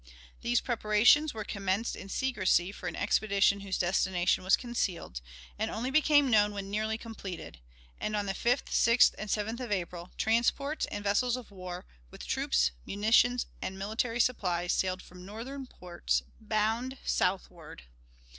These preparations were commenced in secrecy for an expedition whose destination was concealed, and only became known when nearly completed; and on the 5th, 6th, and 7th of April, transports and vessels of war, with troops, munitions, and military supplies, sailed from Northern ports, bound southward.